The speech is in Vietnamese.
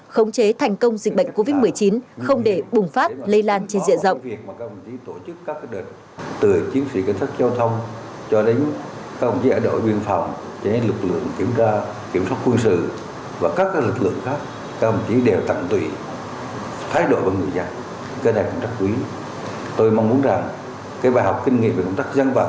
khống chế thành công dịch bệnh covid một mươi chín không để bùng phát lây lan trên dịa rộng